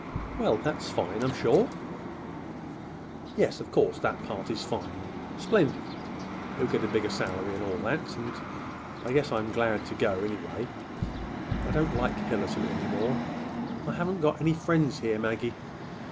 "Well, that's fine, I'm sure." "Yes, of course that part is fine—splendid. He'll get a bigger salary, and all that, and—and I guess I'm glad to go, anyway—I don't like Hillerton any more. I haven't got any friends here, Maggie.